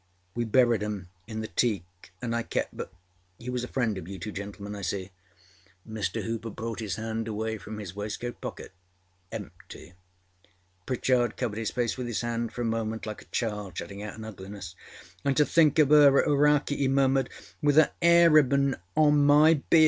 We buried âem in the teak and I keptâ¦ But he was a friend of you two gentlemen, you see.â Mr. Hooper brought his hand away from his waistcoat pocketâempty. Pritchard covered his face with his hands for a moment, like a child shutting out an ugliness. âAnd to think of her at Hauraki!â he murmuredââwith âer âair ribbon on my beer.